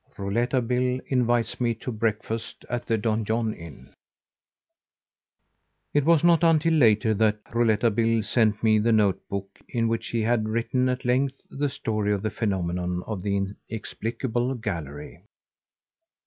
Rouletabille Invites Me to Breakfast at the Donjon Inn It was not until later that Rouletabille sent me the note book in which he had written at length the story of the phenomenon of the inexplicable gallery.